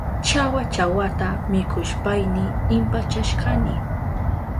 Chawa chawata mikushpayni impachashkani.